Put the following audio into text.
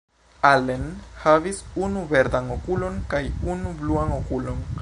Allen havis unu verdan okulon kaj unu bluan okulon.